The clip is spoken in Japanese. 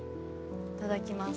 いただきます。